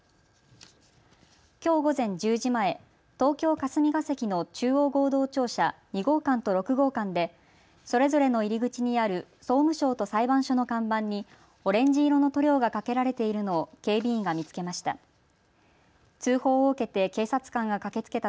きょう午前１０時前、東京霞が関の中央合同庁舎２号館と６号館でそれぞれの入り口にある総務省と裁判所の看板にオレンジ色の塗料がかけられているのを警備員が見つけました。